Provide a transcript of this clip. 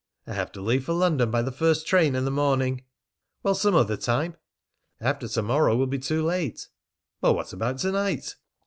"I have to leave for London by the first train in the morning." "Well, some other time?" "After to morrow will be too late." "Well, what about to night?"